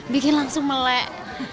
bikin langsung melek